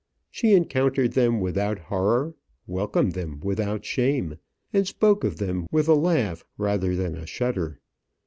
She encountered them without horror, welcomed them without shame, and spoke of them with a laugh rather than a shudder.